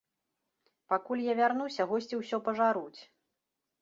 Пакуль я вярнуся, госці ўсё пажаруць.